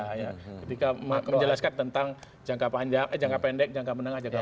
ketika menjelaskan tentang jangka pendek jangka menengah jangka panjang